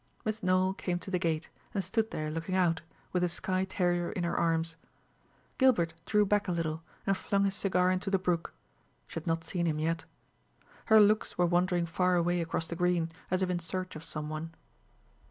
Miss Nowell came to the gate, and stood there looking out, with a Skye terrier in her arms. Gilbert drew back a little, and flung his cigar into the brook. She had not seen him yet. Her looks were wandering far away across the green, as if in search of some one.